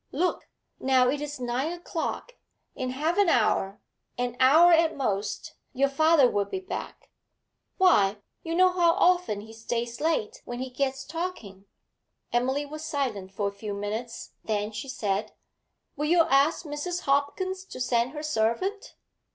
Look, now, it is nine o'clock; in half an hour, an hour at most, your father will be back. Why, you know how often he stays late when he gets talking.' Emily was silent for a few minutes. Then she said 'Will you ask Mrs. Hopkins to send her servant?'